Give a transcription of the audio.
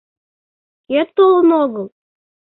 — Кӧ толын огыл?